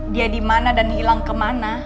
dia dimana dan hilang kemana